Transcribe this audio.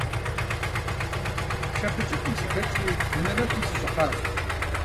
Пшапэ кӀыфӀым сыхэкӀри унэ нэхум сыщӀыхьащ.